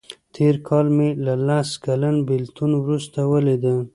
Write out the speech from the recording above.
تېر کال مې له لس کلن بیلتون وروسته ولیده.